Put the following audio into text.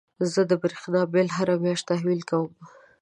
زه د برېښنا بيل هره مياشت تحويل کوم.